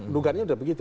dugaannya udah begitu